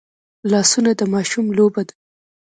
لاسونه د ماشوم لوبه ده